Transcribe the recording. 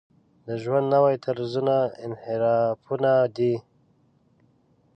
د ژوند نوي طرزونه انحرافونه دي.